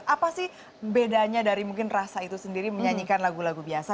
apa sih bedanya dari mungkin rasa itu sendiri menyanyikan lagu lagu biasa